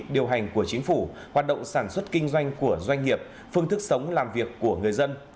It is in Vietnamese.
điều hành của chính phủ hoạt động sản xuất kinh doanh của doanh nghiệp phương thức sống làm việc của người dân